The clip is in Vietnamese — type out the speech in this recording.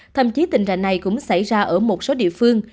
thậm chí tình trạng này cũng xảy ra ở một số địa phương